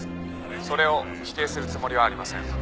「それを否定するつもりはありません」